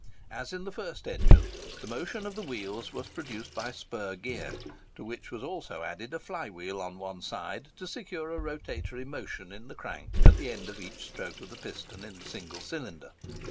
As in the first engine, the motion of the wheels was produced by spur gear, to which was also added a fly wheel on one side, to secure a rotatory motion in the crank at the end of each stroke of the piston in the single cylinder.